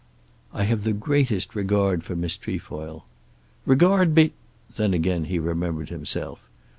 "I have the greatest regard for Miss Trefoil." "Regard be ." Then again he remembered himself.